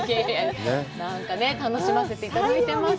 なんかね、楽しませていただいてます。